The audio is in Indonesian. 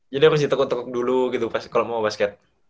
jadi harus ditekuk tekuk dulu gitu kalau mau basket